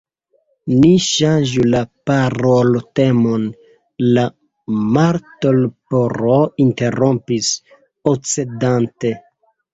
"Ni ŝanĝu la paroltemon," la Martleporo interrompis, oscedante.